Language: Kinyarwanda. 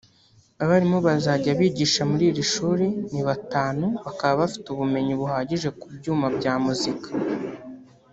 Abarimu bazajya bigisha muri iri shuri ni batanu bakaba bafite ubumenyi buhagije ku byuma bya muzika